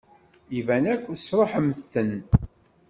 Iban akk tesṛuḥemt-ten.